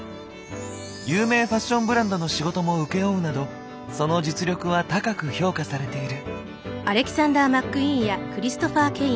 有名ファッションブランドの仕事も請け負うなどその実力は高く評価されている。